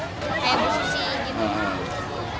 kayak susi gitu